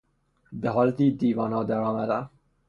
به حالت دیوانهها در آمدن